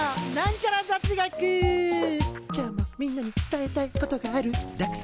今日もみんなに伝えたいことがあるＤＡＸＡだよ。